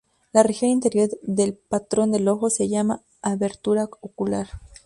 La región interior del patrón del ojo se llama abertura ocular.